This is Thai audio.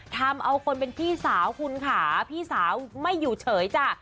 ทำเอาคนเป็นพี่สาวคุณค่ะพี่สาวไม่อยู่เฉยจ้ะ